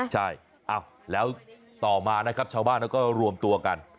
ใช่แล้วต่อมานะครับชาวบ้านเขาก็รวมตัวกัน